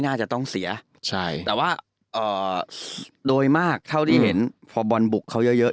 น่าจะต้องเสียใช่แต่ว่าโดยมากเท่าที่เห็นพอบอลบุกเขาเยอะเยอะ